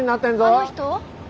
あの人？